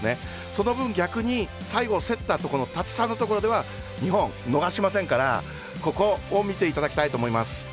その分逆に、最後競ったタッチ差のところでは日本は逃しませんからここを見ていただきたいと思います。